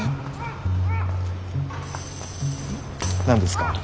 何ですか？